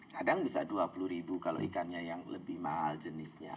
kadang bisa dua puluh ribu kalau ikannya yang lebih mahal jenisnya